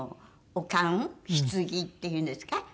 お棺ひつぎっていうんですか？